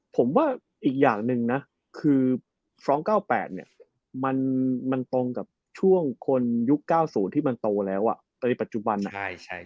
ผมว่าอีกอย่างนึงนะคือฟร้อง๙๘เนี่ยมันตรงกับช่วงคนยุค๙๐ไตรปัจจุบันนะ